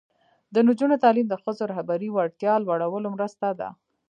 د نجونو تعلیم د ښځو رهبري وړتیا لوړولو مرسته ده.